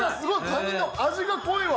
カニの味が濃いわ。